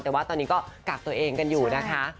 แต่ว่าตอนนี้ก็กักตัวเองกันอยู่นะคะ